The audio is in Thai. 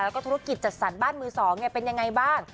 แล้วก็ธุรกิจจัดสรรบ้านมือ๒เป็นยังไงบ้าง